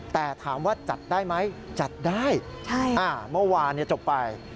แต่ถามว่าจัดได้ไหมจัดได้เมื่อวานจบไป